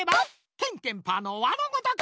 「ケンケンパー」の輪のごとく！